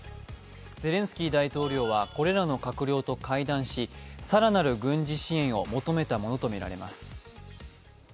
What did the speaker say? ゼレンスキー大統領はこれらの閣僚と会談し、更なる軍事支援を求めたものとみられます。